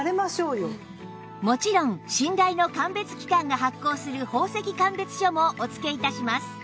もちろん信頼の鑑別機関が発行する宝石鑑別書もお付け致します